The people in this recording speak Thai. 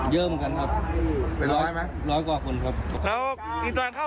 เยอะเหมือนกัน